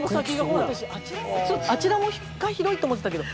あちらが広いと思ってたけど。